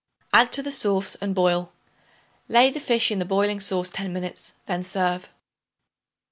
Add to the sauce and boil. Lay the fish in the boiling sauce ten minutes; then serve.